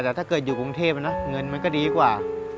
เมืองเทพนะเงินมันก็ดีกว่า